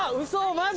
マジ？